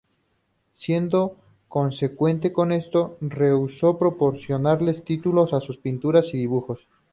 Siendo consecuente con esto, rehusó proporcionarle títulos a sus pinturas y dibujos.